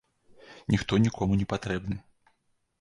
Ніхто нікому не патрэбны.